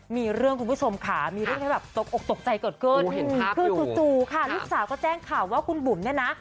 มีเรื่องคุณผู้ชมคะมีเรื่องแบบโต๊กลูกสาวก็แจ้งข่าวว่าคุณบุ๋มเนี้ยนะ